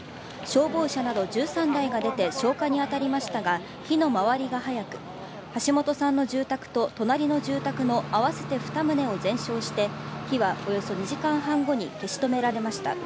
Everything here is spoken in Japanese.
消防車など１３台が出て消火に当たりましたが火の回りが早く、橋本さんの住宅と隣の住宅の合わせて２棟を全焼して火はおよそ２時間半後に消し止められました。